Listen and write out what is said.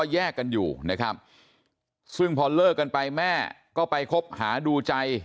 แยกกันอยู่นะครับซึ่งพอเลิกกันไปแม่ก็ไปคบหาดูใจ